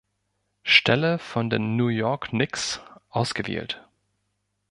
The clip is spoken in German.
Stelle von den New York Knicks ausgewählt.